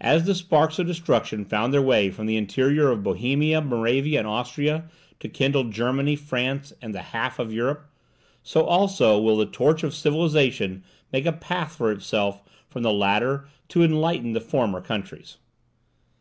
As the sparks of destruction found their way from the interior of Bohemia, Moravia, and Austria, to kindle Germany, France, and the half of Europe, so also will the torch of civilization make a path for itself from the latter to enlighten the former countries.